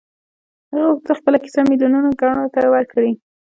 هغه غوښتل خپله کيسه ميليونو کڼو ته وکړي.